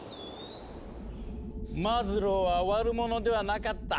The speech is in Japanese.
マズローは悪者ではなかった。